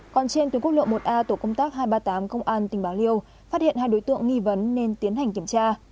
còn trên tuyến quốc lộ một a tổ công tác hai trăm ba mươi tám công an tỉnh bà liêu phát hiện hai đối tượng nghi vấn nên tiến hành kiểm tra